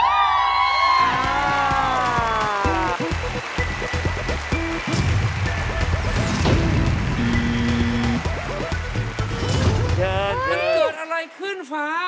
มันเกิดอะไรขึ้นฟ้า